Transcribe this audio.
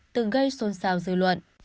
từng gây xôn xao dư luận